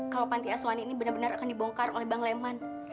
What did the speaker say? kalau panti asuhan ini benar benar akan dibongkar oleh bang leman